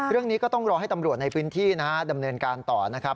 เรื่องนี้ก็ต้องรอให้ตำรวจในพื้นที่นะฮะดำเนินการต่อนะครับ